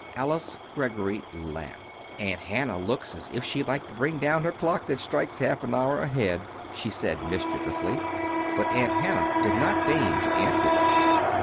Alice Greggory laughed. "Aunt Hannah looks as if she'd like to bring down her clock that strikes half an hour ahead," she said mischievously; but Aunt Hannah did not deign to answer this.